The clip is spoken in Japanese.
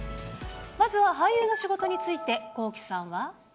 まずは俳優の仕事について、Ｋｏｋｉ，さんは。